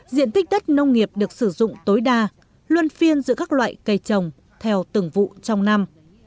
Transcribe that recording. diện tích đất nông nghiệp được sử dụng tối đa luôn phiên giữa các loại cây trồng theo từng vụ trong năm